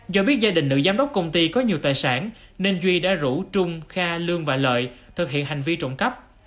do biết gia đình nữ giám đốc công ty có nhiều tài sản nên duy đã rủ trung kha lương và lợi thực hiện hành vi trộm cắp